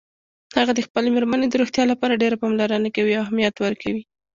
هغه د خپلې میرمن د روغتیا لپاره ډېره پاملرنه کوي او اهمیت ورکوي